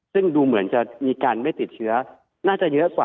ซึ่งดูเหมือนจะมีการไม่ติดเชื้อน่าจะเยอะกว่า